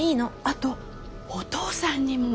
あとお父さんにも。